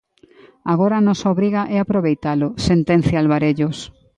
Agora a nosa obriga é aproveitalo, sentencia Alvarellos.